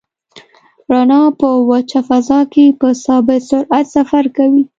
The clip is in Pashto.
رڼا په وچه فضا کې په ثابت سرعت سفر کوي.